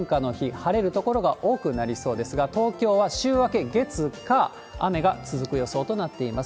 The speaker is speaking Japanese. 晴れる所が多くなりそうですが、東京は週明け月、火、雨が続く予想となっています。